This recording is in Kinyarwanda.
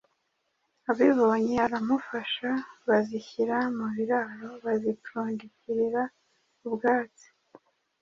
abibonye aramufasha bazishyira mu biraro. Bazipfundikira ubwatsi,